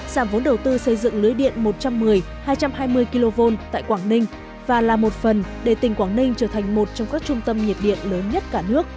giảm vốn đầu tư xây dựng lưới điện một trăm một mươi hai trăm hai mươi kv tại quảng ninh và là một phần để tỉnh quảng ninh trở thành một trong các trung tâm nhiệt điện lớn nhất cả nước